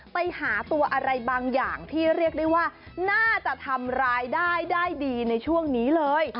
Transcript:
ไปหาตัวอะไรบางอย่างที่เรียกได้ว่าน่าจะทำรายได้ได้ดีในช่วงนี้เลย